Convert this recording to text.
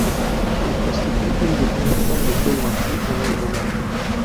Ils constituent une des premières formes de biographies en langue romane.